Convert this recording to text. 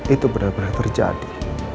itu benar benar terjadi